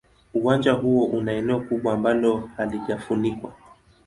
Uwanja huo una eneo kubwa ambalo halijafunikwa.